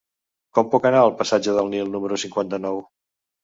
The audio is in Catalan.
Com puc anar al passatge del Nil número cinquanta-nou?